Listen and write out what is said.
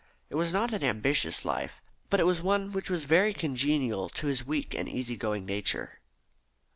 It was not an ambitious life, but it was one which was very congenial to his weak and easy going nature.